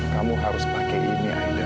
kamu harus pakai ini aja